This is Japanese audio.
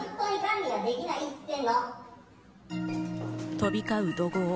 飛び交う怒号。